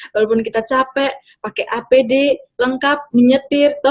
walaupun kita capek pakai apd lengkap menyetir